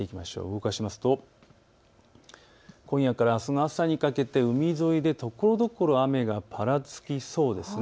動かしますと今夜からあすの朝にかけて海沿いで、ところどころ雨がぱらつきそうです。